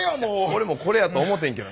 俺はこれやと思てんけどな。